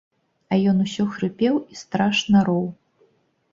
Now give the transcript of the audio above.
А ён усё хрыпеў і страшна роў.